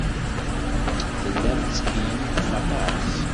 Tellam tettkeyyifem aṭas.